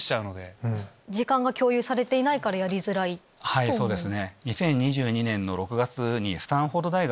はいそうですね。